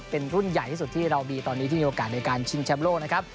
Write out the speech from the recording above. เป็นรุ่นใหญ่ที่สุดที่เรามีตอนนี้ที่มีโอกาสในการชิงแชมป์โลกนะครับ